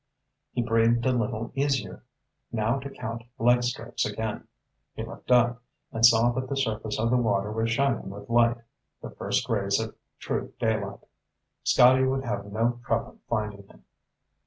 He breathed a little easier. Now to count leg strokes again. He looked up, and saw that the surface of the water was shining with light, the first rays of true daylight. Scotty would have no trouble finding him.